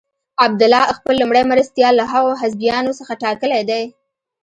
عبدالله خپل لومړی مرستیال له هغو حزبیانو څخه ټاکلی دی.